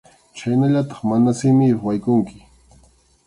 Chhaynallataq mana simiyuq yaykunki.